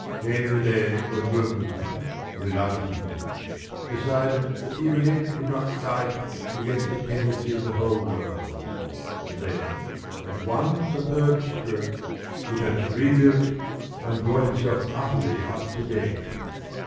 Came the day when Wilkins's reluctantly decided that even it could not fight against the tendency of the whole world, and then, at one superb stroke, it had rebuilt and brought itself utterly up to date.